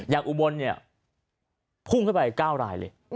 อย่างอุบลพุ่งเข้าไป๙รายเลย